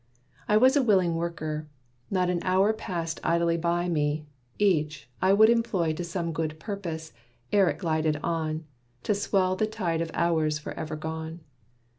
I was a willing worker. Not an hour Passed idly by me: each, I would employ To some good purpose, ere it glided on To swell the tide of hours forever gone.